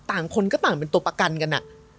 ต่างคนก็ต่างเป็นตัวประกันกันอ่ะ